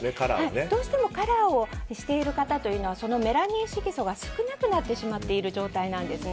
どうしてもカラーをしている方はメラニン色素が少なくなってしまっている状態なんです。